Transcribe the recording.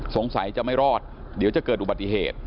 สงสัยจะไม่รอดเดี๋ยวจะเกิดอุบัติเหตุ